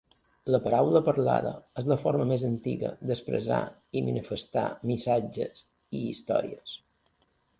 La paraula parlada és la forma més antiga d'expressar i manifestar missatges i històries.